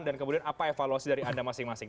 kemudian apa evaluasi dari anda masing masing